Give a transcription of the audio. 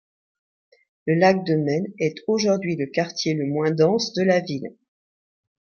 Le Lac de Maine est aujourd'hui le quartier le moins dense de la ville.